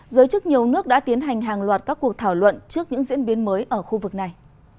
giới chức nhiều nước đã tiến hành hàng loạt các cuộc thảo luận trước những diễn biến mới ở khu vực này